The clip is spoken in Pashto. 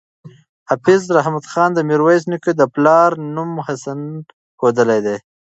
حافظ رحمت خان د میرویس نیکه د پلار نوم حسین ښودلی دی.